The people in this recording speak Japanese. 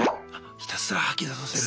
ひたすら吐き出させる。